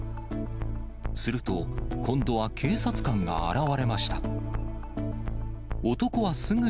すると、今度は警察官が現れました。